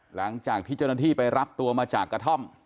หลังจากที่เจ้าหน้าที่ไปรับตัวมาจากกระท่อม